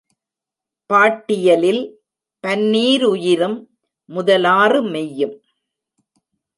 பாட்டியலில், பன்னீருயிரும் முதலாறு மெய்யும்.